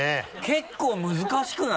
結構難しくない？